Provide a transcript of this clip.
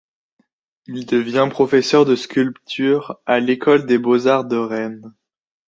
Il devient professeur de sculpture à l'école des beaux-arts de Rennes.